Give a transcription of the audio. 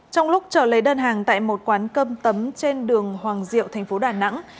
trong lúc trở lấy đơn hàng tại một quán cơm tấm trên đường hoàng diệu tp đà nẵng